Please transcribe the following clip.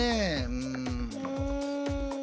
うん。